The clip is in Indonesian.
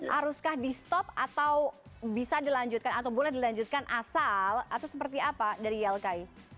haruskah di stop atau bisa dilanjutkan atau boleh dilanjutkan asal atau seperti apa dari ylki